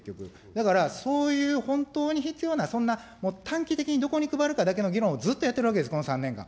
だから、そういう本当に必要なそんな短期的にどこに配るかだけの議論をずっとやってるわけです、この３年間。